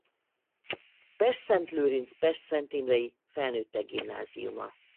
Pestszentlőrinc-Pestszentimrei Felnőttek Gimnáziuma